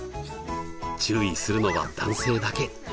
注意するのは男性だけ。